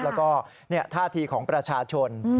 แล้วก็ท่าทีของประชาชน